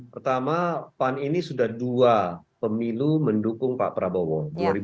pertama pan ini sudah dua pemilu mendukung pak prabowo dua ribu empat belas dua ribu sembilan belas